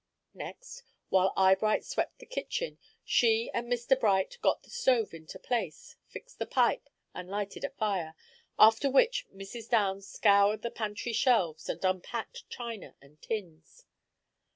Next, while Eyebright swept the kitchen, she and Mr. Bright got the stove into place, fixed the pipe, and lighted a fire, after which Mrs. Downs scoured the pantry shelves, and unpacked china and tins.